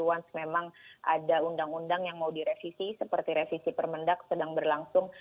once memang ada undang undang yang mau direvisi seperti revisi permendak sedang berlangsung